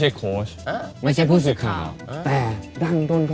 อย่าบอกว่าภรรยาน้อยของคุณศิกโต